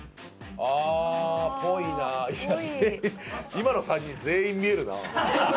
今の３人全員見えるな。